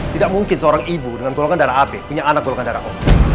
tidak mungkin seorang ibu dengan golongan darah api punya anak golongan darah o